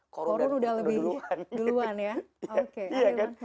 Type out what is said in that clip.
qorun udah duluan ya